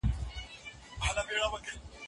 د قران کریم ایتونه د ژوند پر ارزښت ټینګار کوي.